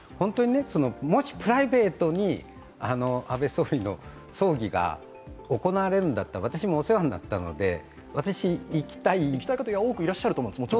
もしプライベートに安倍元総理の葬儀が行われるんだったら私もお世話になったので、私、行きたいと思うんです。